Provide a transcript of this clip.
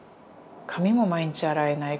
髪も毎日洗えない。